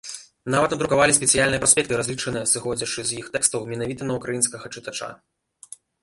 Нават надрукавалі спецыяльныя праспекты, разлічаныя, сыходзячы з іх тэкстаў, менавіта на ўкраінскага чытача.